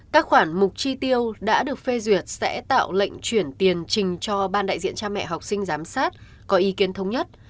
các khoản mục chi tiêu đã được phê duyệt sẽ tạo lệnh chuyển tiền trình cho ban đại diện cha mẹ học sinh giám sát có ý kiến thống nhất